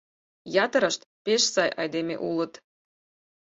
Ятырышт пеш сай айдеме улыт.